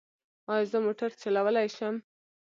ایا زه موټر چلولی شم؟